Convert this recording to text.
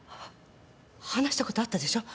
話したことあったでしょ？